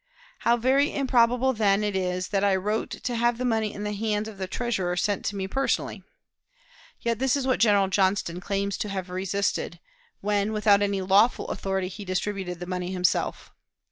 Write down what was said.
How very improbable, then, it is, that I wrote to have the money in the hands of a treasurer sent to me personally! Yet this is what General Johnston claims to have resisted, when without any lawful authority he distributed the money himself.